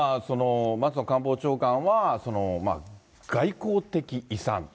松野官房長官は、外交的遺産。